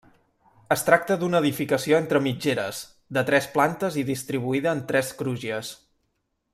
Es tracta d'una edificació entre mitgeres, de tres plantes i distribuïda en tres crugies.